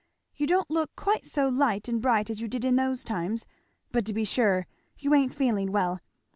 You don't look quite so light and bright as you did in those times; but to be sure, you ain't feeling well!